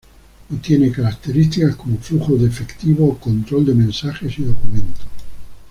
No tiene características como flujo de efectivo o control de mensajes y documentos.